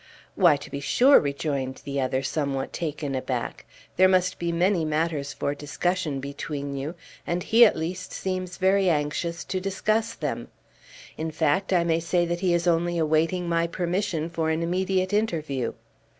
"Why, to be sure," rejoined the other, taken somewhat aback. "There must be many matters for discussion between you, and he at least seems very anxious to discuss them. In fact, I may say that he is only awaiting my permission for an immediate interview."